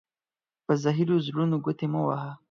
په زهيرو زړونو گوتي مه وهه.